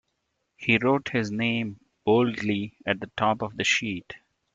He wrote his name boldly at the top of the sheet.